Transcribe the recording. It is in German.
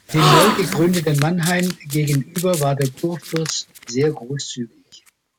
Dem neugegründeten Mannheim gegenüber war der Kurfürst sehr großzügig.